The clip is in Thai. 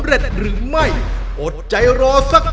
ร้องได้ให้ร้าน